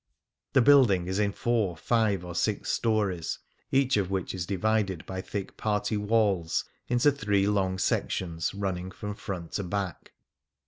The building is in four, five, or six stones, each of which is divided by thick party walls into three long sections running from front to back.